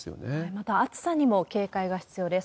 また暑さにも警戒が必要です。